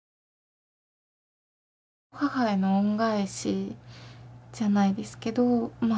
母への恩返しじゃないですけどまあ